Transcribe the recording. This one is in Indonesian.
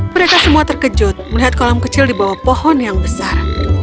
mereka semua terkejut melihat kolam kecil di bawah pohon yang besar